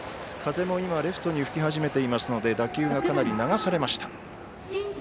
風も今レフトに吹き始めているので打球がかなり流されました。